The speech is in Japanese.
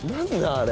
あれ。